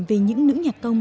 về những nữ nhạc công